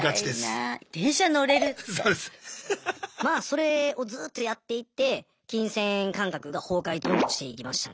それをずっとやっていって金銭感覚が崩壊どんどんしていきましたね。